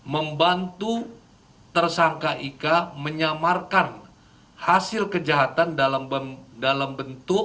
membantu tersangka ika menyamarkan hasil kejahatan dalam bentuk